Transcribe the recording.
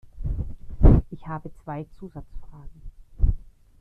Ich habe zwei Zusatzfragen.